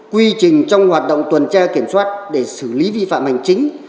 quy trình trong hoạt động tuần tra kiểm soát để xử lý vi phạm hành chính